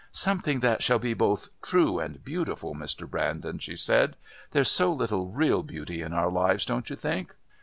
"Something that shall be both True and Beautiful, Mr. Brandon," she said. "There's so little real Beauty in our lives, don't you think?"